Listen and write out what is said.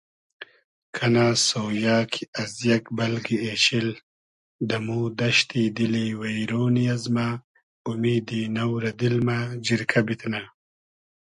کئنۂ سۉیۂ کی از یئگ بئلگی اېشیل دئمو دئشتی دیلی وݷرۉنی ازمۂ اومیدی نۆ رۂ دیل مۂ جیرکۂ بیتنۂ